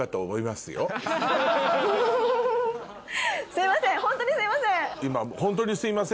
すいません。